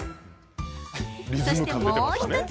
そして、もう１つ。